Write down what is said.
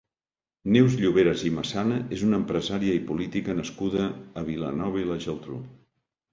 Neus Lloveras i Massana és una empresària i política nascuda a Vilanova i la Geltrú.